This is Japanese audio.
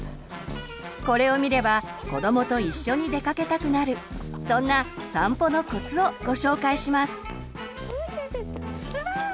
これを見れば子どもと一緒に出かけたくなるそんな散歩のコツをご紹介します。